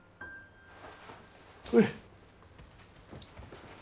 これ。